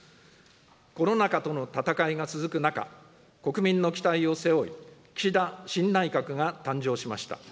コロナ禍との闘いが続く中、国民の期待を背負い、岸田新内閣が誕生しました。